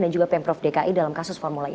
dan juga pemprov dki dalam kasus formula e